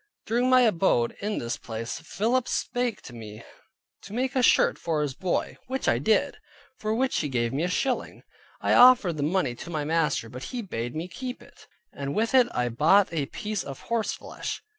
During my abode in this place, Philip spake to me to make a shirt for his boy, which I did, for which he gave me a shilling. I offered the money to my master, but he bade me keep it; and with it I bought a piece of horse flesh.